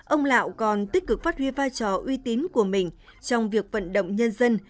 ông lạo còn tích cực phát huy vai trò uy tín của mình trong việc vận động nhân dân